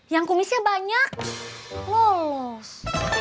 yang kumisnya banyak lolos